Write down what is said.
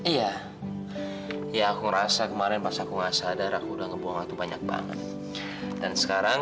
iya ya aku ngerasa kemarin pas aku gak sadar aku udah ngebuang waktu banyak banget dan sekarang